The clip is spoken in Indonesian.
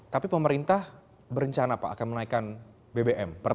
tapi pemerintah berencana pak akan menaikkan bbm